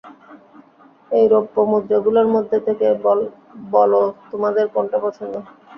এই রৌপ্য মুদ্রাগুলোর মধ্যে থেকে বলো তোমাদের কোনটা পছন্দ?